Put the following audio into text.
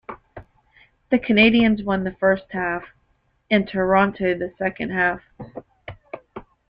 The Canadiens won the first half, and Toronto the second half.